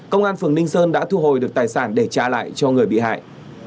công an phường ninh sơn đã thu hồi được tài sản để trả lại cho người bị hại